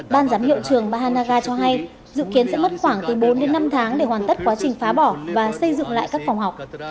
ban giám hiệu trường bahanaga cho hay dự kiến sẽ mất khoảng từ bốn đến năm tháng để hoàn tất quá trình phá bỏ và xây dựng lại các phòng học